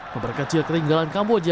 memperkecil keringgalan kamboja